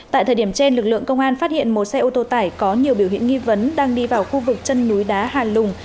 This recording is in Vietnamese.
tại thời điểm trên lực lượng công an phát hiện một xe ô tô tải có nhiều biểu hiện nghi vấn đang đi vào khu vực chân núi đá hà lùng